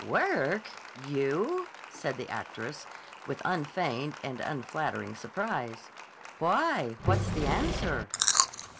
"Work! You?" said the actress with unfeigned and unflattering surprise. "Why? What's the answer?"